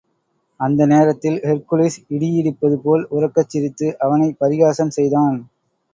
அந்த நேரத்தில் ஹெர்க்குலிஸ், இடியிடிப்பது போல் உரக்கச் சிரித்து, அவனைப் பரிகாசம் செய்தான்.